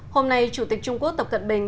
hôm nay chủ tịch trung quốc tập cận bình